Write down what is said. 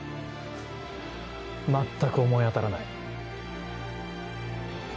全く思い当たらない。